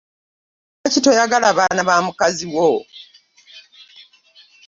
Lwaki toyagala baana ba mukazi wo?